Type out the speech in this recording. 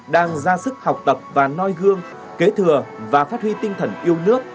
đang ra sức học tập và noi gương kế thừa và phát huy tinh thần yêu nước